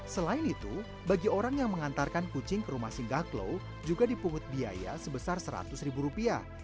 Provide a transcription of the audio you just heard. selain itu bagi orang yang mengantarkan kucing ke rumah singgah klo juga dipungut biaya sebesar seratus ribu rupiah